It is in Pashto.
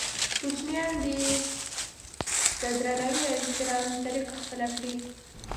کوچنیان دې د درناوي او احترام طریقه خپله کړي.